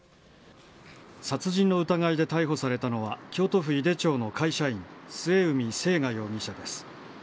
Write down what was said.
殺人の疑いで逮捕されたのは、京都府井手町の会社員、末海せいが容疑者です。